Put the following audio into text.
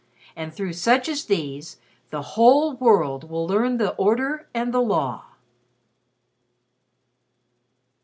And through such as these, the whole world will learn the Order and the Law.'"